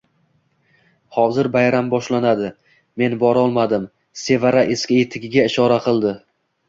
Hozir bayram boshlanadi, men borolmadimSevara eski etigiga ishora qildi